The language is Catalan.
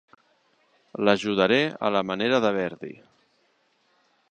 L'ajudaré a la manera de Verdi.